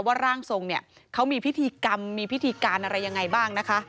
ร่างทรงเนี่ยเขามีพิธีกรรมมีพิธีการอะไรยังไงบ้างนะคะ